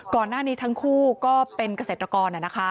ก่อนหน้านี้ทั้งคู่ก็เป็นเกษตรกร